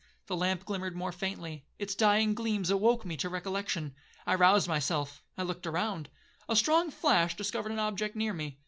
The lamp glimmered more faintly,—its dying gleams awoke me to recollection. I roused myself,—I looked around. A strong flash discovered an object near me.